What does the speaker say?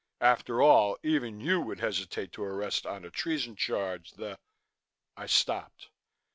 After all, even you would hesitate to arrest on a treason charge the " I stopped.